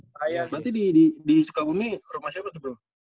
berarti di sukabumi rumah siapa tuh bro